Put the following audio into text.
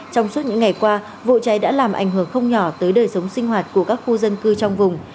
trong suốt những ngày qua vụ cháy đã làm ảnh hưởng không nhỏ tới đời sống sinh hoạt của các khu dân cư trong vùng